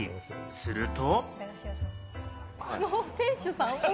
すると。